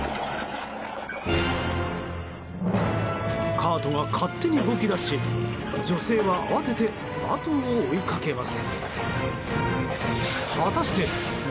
カートが勝手に動き出し女性は慌ててあとを追いかけます。